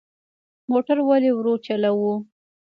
موټر ولې ورو چلوو؟